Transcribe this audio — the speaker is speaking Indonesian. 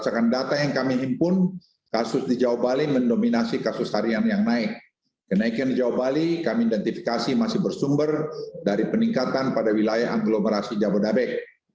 kenaikan jawa bali kami identifikasi masih bersumber dari peningkatan pada wilayah agglomerasi jabodetabek